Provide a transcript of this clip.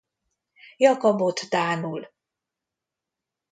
Jakabot dánul.